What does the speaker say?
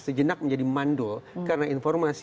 sejenak menjadi mandul karena informasi